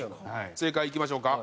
正解いきましょうか。